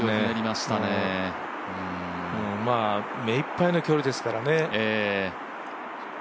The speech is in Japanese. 目いっぱいの距離ですからね。